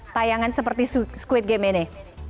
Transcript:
tayangan seperti squid game ini